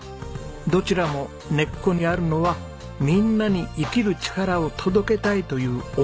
どちらも根っこにあるのは「みんなに生きる力を届けたい」という思いです。